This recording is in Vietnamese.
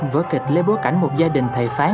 với kịch lê bố cảnh một gia đình thầy phái